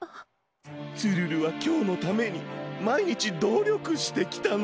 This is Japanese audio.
ツルルはきょうのためにまいにちどりょくしてきたの。